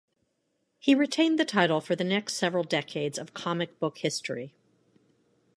He retained the title for the next several decades of comic book history.